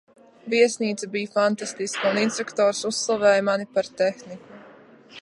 Viesnīca bija fantastiska, un instruktors uzslavēja mani par tehniku.